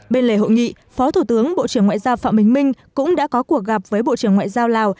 bên lề hội nghị phó thủ tướng bộ trưởng ngoại giao phạm bình minh cũng đã có cuộc gặp với bộ trưởng ngoại giao lào